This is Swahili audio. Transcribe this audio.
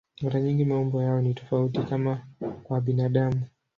Mara nyingi maumbo yao ni tofauti, kama kwa binadamu.